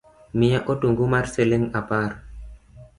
Miya otungu mar siling’ apar